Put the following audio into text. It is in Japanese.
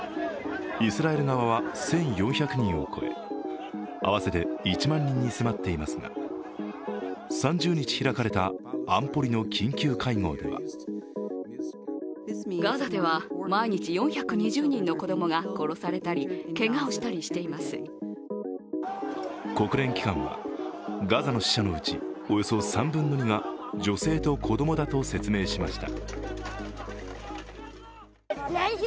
イスラエル側は１４００人を超え、合わせて１万人に迫っていますが３０日開かれた安保理の緊急会合では国連機関は、ガザの死者のうちおよそ３分の２が女性と子供だと説明しました。